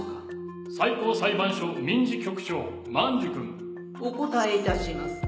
最高裁判所民事局長万寿くん。お答え致します。